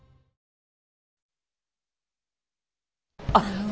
あの。